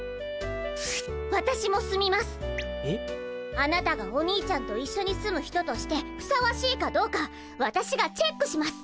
あなたがお兄ちゃんと一緒に住む人としてふさわしいかどうかわたしがチェックします！